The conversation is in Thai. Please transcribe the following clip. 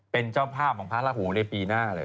เป็นเจ้าภาพของพระราหูในปีหน้าเลย